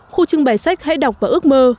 khu trưng bài sách hãy đọc và ước mơ